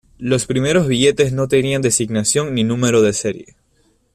Los primeros billetes no tenían designación ni número de serie.